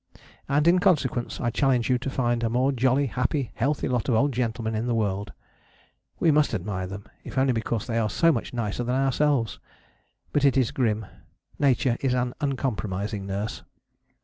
And in consequence, I challenge you to find a more jolly, happy, healthy lot of old gentlemen in the world. We must admire them: if only because they are so much nicer than ourselves! But it is grim: Nature is an uncompromising nurse.